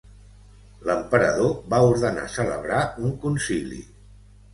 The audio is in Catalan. L'emperador va ordenar celebrar un concili.